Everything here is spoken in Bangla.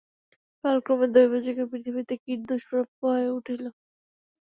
কালক্রমে দৈবযোগে পৃথিবীতে কীট দুষ্প্রাপ্য হইয়া উঠিল।